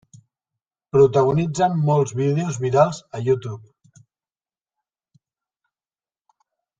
Protagonitzen molts vídeos virals a YouTube.